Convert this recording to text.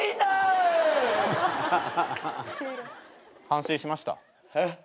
反省しました？えっ？